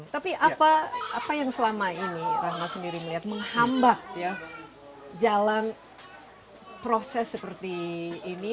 tapi apa yang selama ini rahmat sendiri melihat menghambat jalan proses seperti ini